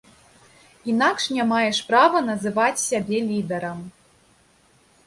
Інакш не маеш права называць сябе лідарам.